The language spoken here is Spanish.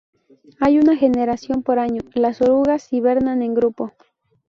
Hay una generación por año, las orugas hibernan en grupo.